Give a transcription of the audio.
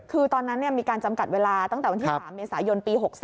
คือตอนนั้นมีการจำกัดเวลาตั้งแต่วันที่๓เมษายนปี๖๓